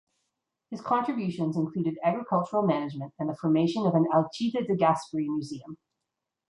His contributions included agricultural management and the formation of an Alcide De Gasperi museum.